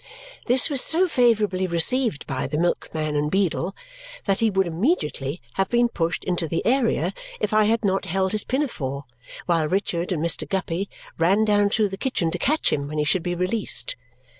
This was so favourably received by the milkman and beadle that he would immediately have been pushed into the area if I had not held his pinafore while Richard and Mr. Guppy ran down through the kitchen to catch him when he should be released.